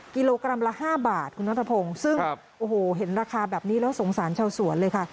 กิโลกรัมละ๕บาทคุณนัทพงศ์ซึ่งโอ้โหเห็นราคาแบบนี้แล้วสงสารชาวสวนเลยค่ะ